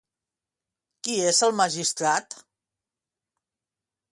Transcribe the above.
Qui és el magistrat?